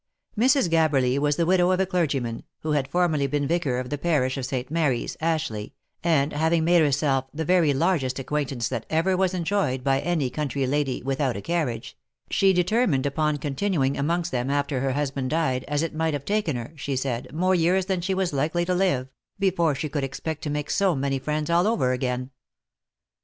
Mrs. Gabberlywas the widow of a clergyman, who had formerly been vicar of the parish of St. Mary's, Ashleigh, and having made herself the very largest acquaintance that ever was enjoyed by any country lady without a carriage, she determined upon continuing amongst them after her husband died, as it might have taken her, she said, more years than she was likely to live, before she could expect to make so many friends all over again.